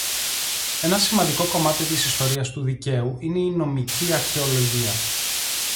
Ένα σημαντικό κομμάτι της ιστορίας του δικαίου είναι η νομική αρχαιολογία.